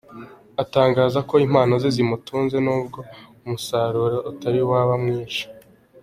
Atangaza ko impano ze zimutunze n’ubwo umusaruro utari waba mwinshi.